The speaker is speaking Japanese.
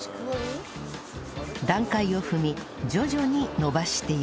段階を踏み徐々に伸ばしていき